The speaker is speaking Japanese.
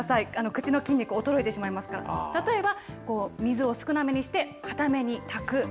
口の筋肉、衰えてきますから、例えば、水を少なめにして硬めに炊く。